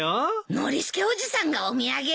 ノリスケおじさんがお土産？